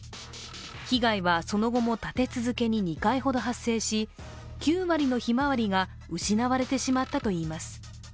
被害はその後も立て続けに２回ほど発生し、９割のひまわりが失われてしまったといいます。